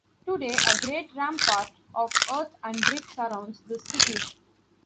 Today a great rampart of earth and brick surrounds this city.